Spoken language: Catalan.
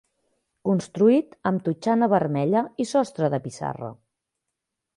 Construït amb totxana vermella i sostre de pissarra.